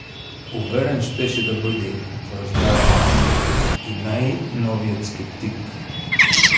Уверен щеше да бъде — утвърждавам аз — и най-новият скептик.